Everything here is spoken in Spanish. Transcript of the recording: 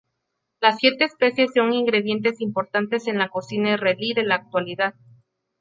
Las siete especies son ingredientes importantes en la cocina israelí de la actualidad.